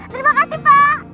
terima kasih pak